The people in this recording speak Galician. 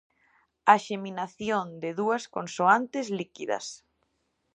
A xeminación de dúas consoantes líquidas.